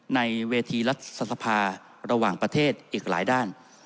ในเวทีรัฐสภาระหว่างประเทศอีกหลายด้าน